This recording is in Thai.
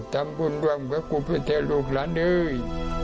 ทำบุญร่วมกับกูพระเทศลูกล้านด้วย